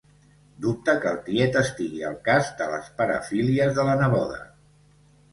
Dubta que el tiet estigui al cas de les parafílies de la neboda.